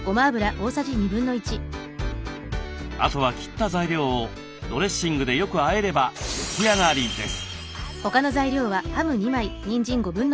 あとは切った材料をドレッシングでよくあえれば出来上がりです。